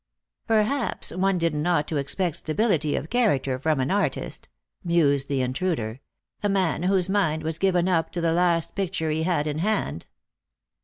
" Perhaps one didn't ought to expect stability of character from an artist," mused the intruder ;" a man whose mind was given up to the last picture he had in hand."